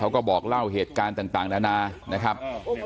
บอกเล่าเหตุการณ์ต่างนานานะครับ